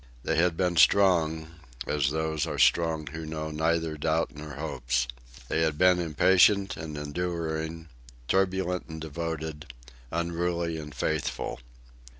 They had been strong, as those are strong who know neither doubts nor hopes. They had been impatient and enduring, turbulent and devoted, unruly and faithful.